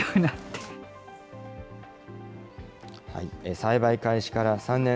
栽培開始から３年。